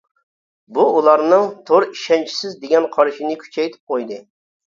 بۇ ئۇلارنىڭ «تور ئىشەنچىسىز» دېگەن قارىشىنى كۈچەيتىپ قويدى.